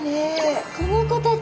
この子たち。